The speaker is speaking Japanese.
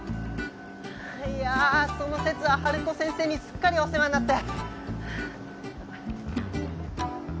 いやその節はハルコ先生にすっかりお世話になって。